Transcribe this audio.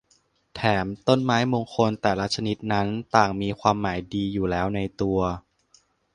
แถมต้นไม้มงคลแต่ละชนิดนั้นต่างมีความหมายดีอยู่แล้วในตัว